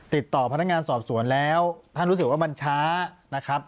ติดต่อพนักงานสอบสวนแล้วท่านรู้สึกว่ามันช้านะครับ